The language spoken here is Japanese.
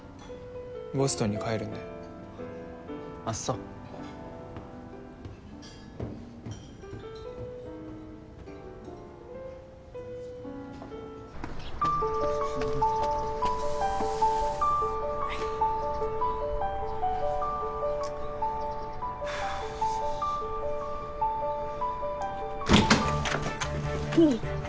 ボストンに帰るんであっそおっ